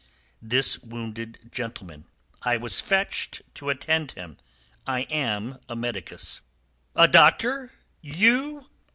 "This wounded gentleman. I was fetched to attend him. I am a medicus." "A doctor you?"